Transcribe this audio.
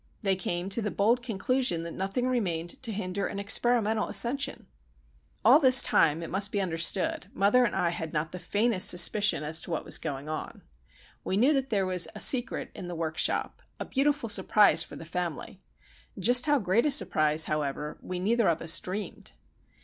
They came to the bold conclusion that nothing remained to hinder an experimental ascension! [Illustration: And so the conspirators set to work] All this time it must be understood mother and I had not the faintest suspicion as to what was going on. We knew that there was "a secret" in the workshop, "a beautiful surprise for the family." Just how great a surprise, however, we neither of us dreamed.